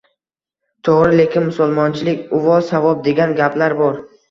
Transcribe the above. — To‘g‘ri, lekin... musulmonchilik, uvol-savob, degan gaplar bor.